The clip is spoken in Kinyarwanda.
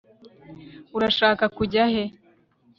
Urashaka kujya he